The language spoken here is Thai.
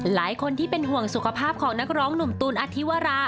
หลายคนที่เป็นห่วงสุขภาพของนักร้องหนุ่มตูนอธิวรา